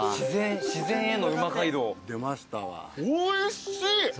自然への「うま街道」おいしい！